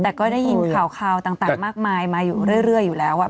แต่ก็ได้ยินข่าวต่างมากมายมาอยู่เรื่อยอยู่แล้ว